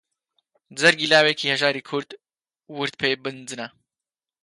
جەرگی لاوێکی هەژاری کوردی ورد پێ بنجنە